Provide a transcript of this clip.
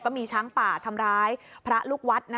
ก็มีช้างป่าทำร้ายพระลูกวัดนะคะ